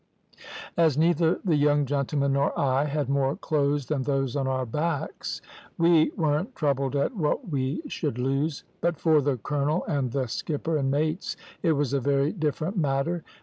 "As neither the young gentlemen nor I had more clothes than those on our backs, we weren't troubled at what we should lose; but for the colonel and the skipper and mates, it was a very different matter.